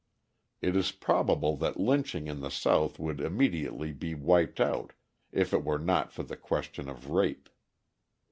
It is probable that lynching in the South would immediately be wiped out, if it were not for the question of rape.